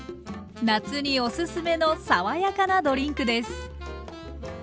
夏にオススメの爽やかなドリンクです。